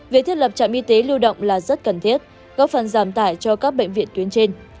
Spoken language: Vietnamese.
việc thiết lập trạm y tế lưu động là rất cần thiết góp phần giảm tải cho các bệnh viện tuyến trên